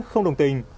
không đồng tình